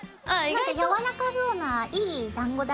なんかやわらかそうないいだんごだね。